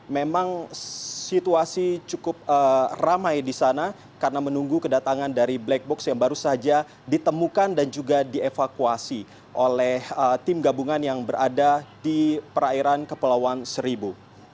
memang situasi cukup ramai di sana karena menunggu kedatangan dari black box yang baru saja ditemukan dan juga dievakuasi oleh tim gabungan yang berada di perairan kepulauan seribu